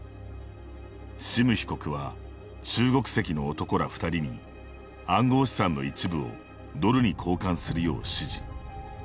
シム被告は中国籍の男ら２人に暗号資産の一部をドルに交換するよう指示。